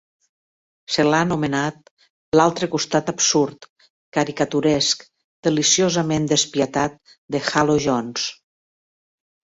Se l'ha anomenat "l'altre costat absurd, caricaturesc, deliciosament despiadat de 'Halo Jones'".